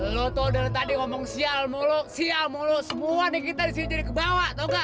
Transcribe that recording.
lo tuh dari tadi ngomong sial muluk sial muluk semua nih kita disini jadi kebawa tau gak